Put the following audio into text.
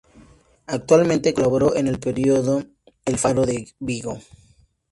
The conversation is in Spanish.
Actualmente, colabora en el periódico "El Faro de Vigo".